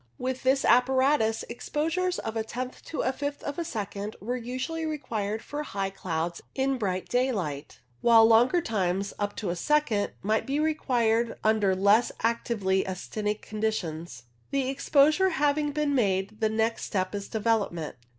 DEVELOPMENT 175 With this apparatus exposures of a tenth to a fifth of a second were usually required for high clouds in bright daylight, while longer times, up to a second, might be required under less actively actinic conditions. The exposure having been made, the next step is development.